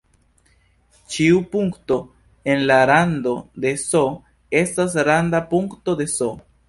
Ĉiu punkto en la rando de "S" estas randa punkto de "S".